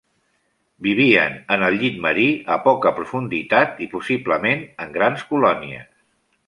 Vivien en el llit marí a poca profunditat i possiblement en grans colònies.